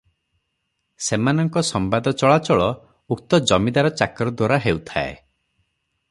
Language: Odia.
ସେମାନଙ୍କ ସମ୍ବାଦ ଚଳାଚଳ ଉକ୍ତ ଜମିଦାର ଚାକର ଦ୍ୱାରା ହେଉଥାଏ ।